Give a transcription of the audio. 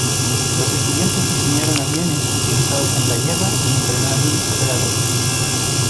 Los estudiantes diseñaron aviones utilizados en la guerra y entrenaron operadores.